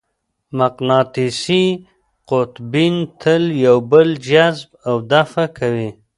مقناطیسي قطبین تل یو بل جذب او دفع کوي.